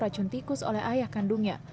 racun tikus oleh ayah kandungnya